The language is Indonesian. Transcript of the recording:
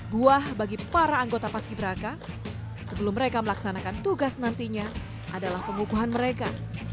buah bagi para anggota paski beraka sebelum mereka melaksanakan tugas nantinya adalah pengukuhan mereka